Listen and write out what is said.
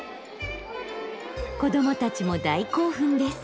子どもたちも大興奮です。